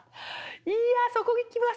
いやそこいきますか。